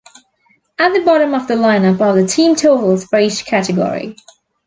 At the bottom of the lineup are the team totals for each category.